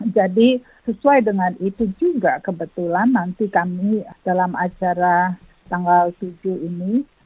jadi sesuai dengan itu juga kebetulan nanti kami dalam acara tanggal tujuh ini